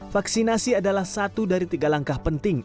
vaksinasi adalah satu dari tiga langkah penting